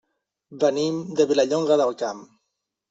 Venim de Vilallonga del Camp.